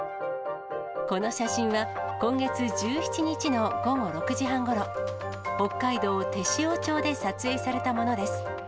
この写真は今月１７日の午後６時半ごろ、北海道天塩町で撮影されたものです。